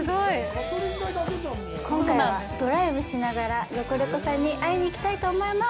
今回は、ドライブしながらロコレコさんに会いにいきたいと思います。